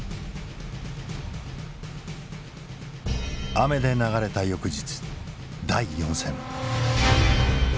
雨で流れた翌日第４戦。